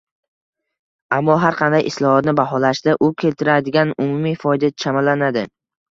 Ammo, har qanday islohotni baholashda u keltiradigan umumiy foyda chamalanadi.